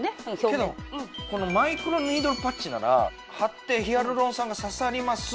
けどこのマイクロニードルパッチなら貼ってヒアルロン酸が刺さります。